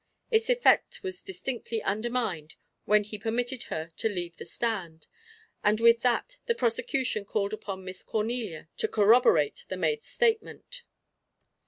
Its effect was distinctly undermined when he permitted her to leave the stand. And with that the prosecution called upon Miss Cornelia to corroborate the maid's statement.